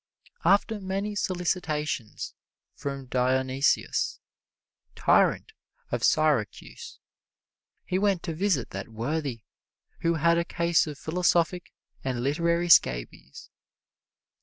After many solicitations from Dionysius, Tyrant of Syracuse, he went to visit that worthy, who had a case of philosophic and literary scabies.